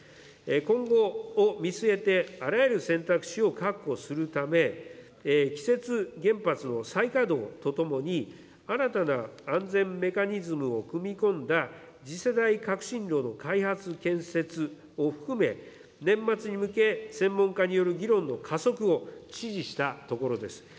今後を見据えてあらゆる選択肢を確保するため、既設原発の再稼働とともに、新たな安全メカニズムを組み込んだ次世代革新炉の開発・建設を含め、年末に向け、専門家による議論の加速を指示したところです。